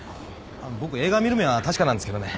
僕映画見る目は確かなんですけどね。